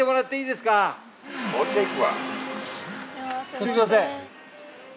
すみません。